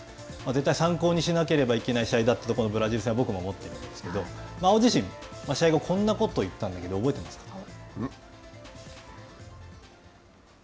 絶対参考にしなければいけない試合だったとブラジル戦は僕も思っていますけど碧自身試合後、こんなことを言ったんだけど覚えてますかね。